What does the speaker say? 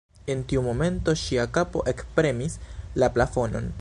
En tiu momento ŝia kapo ekpremis la plafonon.